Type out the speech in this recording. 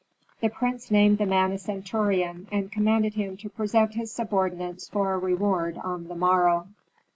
The prince named the man a centurion and commanded him to present his subordinates for a reward on the morrow.